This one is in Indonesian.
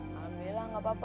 alhamdulillah gak apa apa